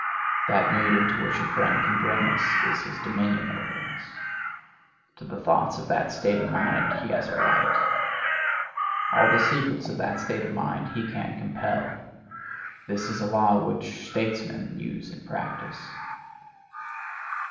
That mood into which a friend can bring us is his dominion over us. To the thoughts of that state of mind he has a right. All the secrets of that state of mind he can compel. This is a law which statesmen use in practice.